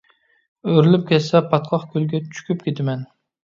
ئۆرۈلۈپ كەتسە پاتقاق كۆلگە چۆكۈپ كېتىمەن.